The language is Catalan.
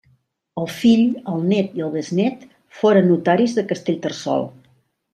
El fill, el nét i el besnét foren notaris de Castellterçol.